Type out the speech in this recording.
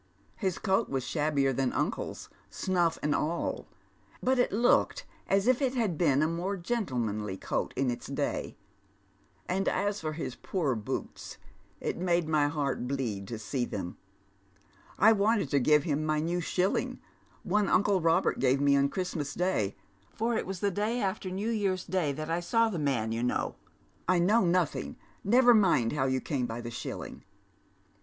His coat was siiahbicr than uncle's, suulf and all, but it looked as if it had been a more gentlemanly coat in its day ; and as for his poor boots, it made my heart bleed t/Q Lnve, then, had hope of Itff^Her Store. ^1 Bde tliera. I wanted to give him my new Bliilling, one nncle Robert gave me on Christinas Day, for it was the day after New Year's Day that I saw the man, you know "" I know nothing. Never mind how you came by the shilling.